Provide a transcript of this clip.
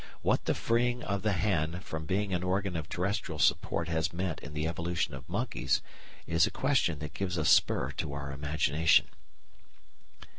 What the freeing of the hand from being an organ of terrestrial support has meant in the evolution of monkeys is a question that gives a spur to our imagination.